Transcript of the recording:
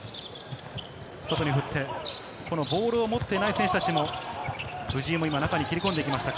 外に振ってボールを持っていない選手たちも、藤井も今、中に切り込んで行きました。